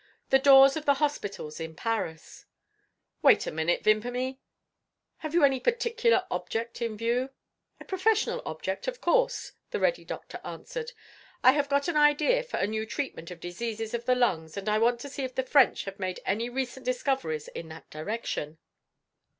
"The doors of the hospitals in Paris." "Wait a minute, Vimpany. Have you any particular object in view?" "A professional object, of course," the ready doctor answered. "I have got an idea for a new treatment of diseases of the lungs; and I want to see if the French have made any recent discoveries in that direction."